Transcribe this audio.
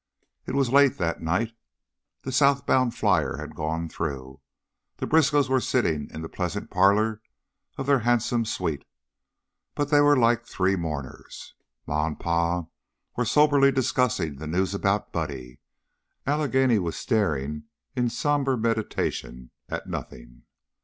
It was late that night. The southbound flyer had gone through. The Briskows were sitting in the pleasant parlor of their handsome suite, but they were like three mourners. Ma and Pa were soberly discussing the news about Buddy, Allegheny was staring in somber meditation at nothing.